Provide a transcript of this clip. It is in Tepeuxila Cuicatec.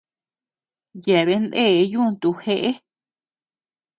Yeabean ndee yuntu jeʼe.